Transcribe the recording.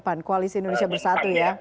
dan koalisi indonesia bersatu ya